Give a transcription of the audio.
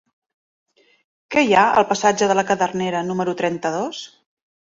Què hi ha al passatge de la Cadernera número trenta-dos?